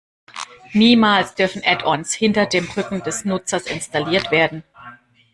Niemals dürfen Add-ons hinter dem Rücken des Nutzers installiert werden.